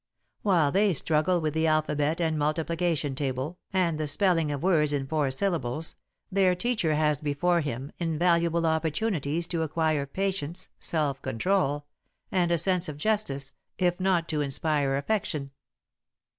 While they struggle with the alphabet and multiplication table and the spelling of words in four syllables, their teacher has before him invaluable opportunities to acquire patience, self control, and a sense of justice, if not to inspire affection.